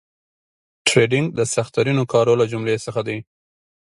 ټریډینګ د سخترینو کارو له جملې څخه دي